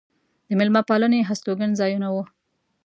د مېلمه پالنې هستوګن ځایونه و.